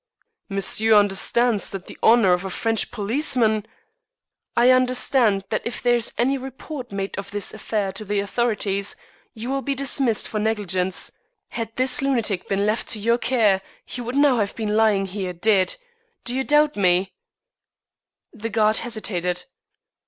"Monsieur understands that the honor of a French policeman " "I understand that if there is any report made of this affair to the authorities you will be dismissed for negligence. Had this lunatic been left to your care he would now have been lying here dead. Do you doubt me?" The guard hesitated.